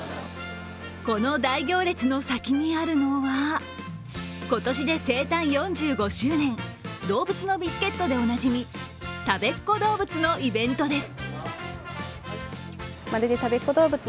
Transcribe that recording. この大行列の先にあるのは今年で生誕４５周年、動物のビスケットでおなじみ、たべっ子どうぶつのイベントです。